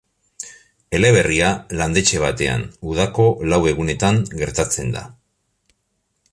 Eleberria landetxe batean, udako lau egunetan gertatzen da.